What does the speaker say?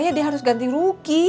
dia harus ganti rugi